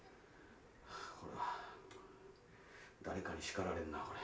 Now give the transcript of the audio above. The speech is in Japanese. これは誰かに叱られんなこれ。